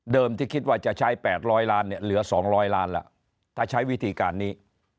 ที่คิดว่าจะใช้๘๐๐ล้านเนี่ยเหลือ๒๐๐ล้านแล้วถ้าใช้วิธีการนี้